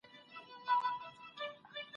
څېړونکی باید له اساطیرو څخه کرکه وکړي.